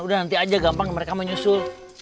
udah nanti aja gampang mereka menyusul